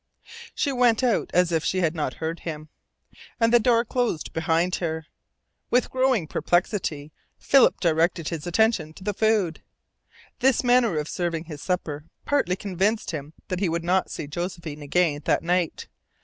She went out as if she had not heard him, and the door closed behind her. With growing perplexity, Philip directed his attention to the food. This manner of serving his supper partly convinced him that he would not see Josephine again that night.